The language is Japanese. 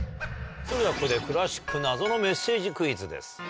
それではここでクラシック謎のメッセージクイズです。